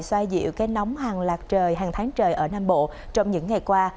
xoa dịu cái nóng hàng lạc trời hàng tháng trời ở nam bộ trong những ngày qua